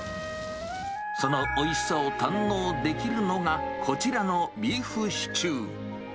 そのおいしさを堪能できるのが、こちらのビーフシチュー。